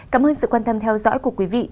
cảm ơn sự quan tâm theo dõi của quý vị